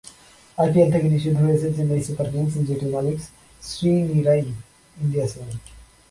IPL থেকে নিষিদ্ধ হয়েছে চেন্নাই সুপার কিংস, যেটির মালিক শ্রীনিরই ইন্ডিয়া সিমেন্ট।